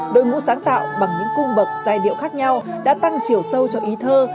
đội ngũ sáng tạo bằng những cung bậc giai điệu khác nhau đã tăng chiều sâu cho ý thơ